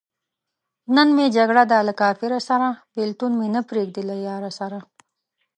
نن مې جګړه ده له کفاره سره- بېلتون مې نه پریېږدی له یاره سره